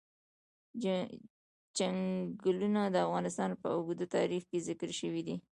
چنګلونه د افغانستان په اوږده تاریخ کې ذکر شوی دی.